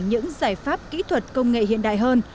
những giải pháp kỹ thuật công nghệ hiện đại hơn